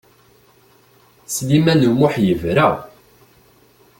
Sliman U Muḥ yebra.